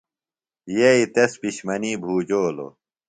یئی تس پِشمنی بُھوجولوۡ۔